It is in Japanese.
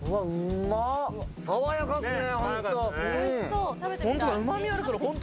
爽やかっすね、本当。